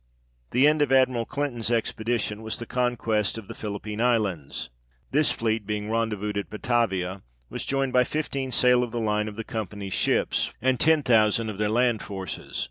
The end of Admiral Clinton's expedition was the conquest of the Philippine Islands. This fleet being rendezvoused at Batavia, was joined by fifteen sail of the line of the Company's ships, 3 and ten thousand of their land forces.